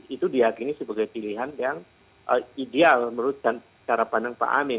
itu diakini sebagai pilihan yang ideal menurut cara pandang pak amin